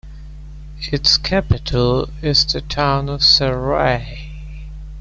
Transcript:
Its capital is the town of Serres.